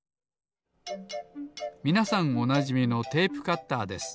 みなさんおなじみのテープカッターです。